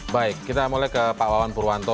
baik kita mulai ke pak wawan purwanto